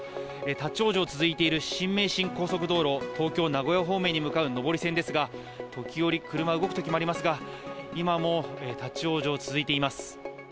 立ち往生が続いている新名神高速道路東京・名古屋方面に向かう上り線ですが、時折車が動く時もありますが今も立ち往生が続いています。